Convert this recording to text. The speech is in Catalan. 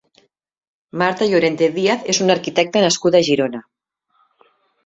Marta Llorente Díaz és una arquitecta nascuda a Girona.